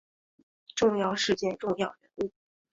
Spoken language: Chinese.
重要事件重要人物